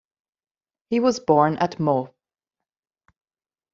He was born at Meaux.